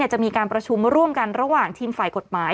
จะมีการประชุมร่วมกันระหว่างทีมฝ่ายกฎหมาย